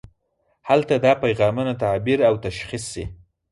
هلته دا پیغامونه تعبیر او تشخیص شي.